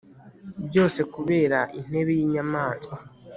byose kubera intebe yinyamanswa